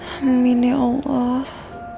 amin ya allah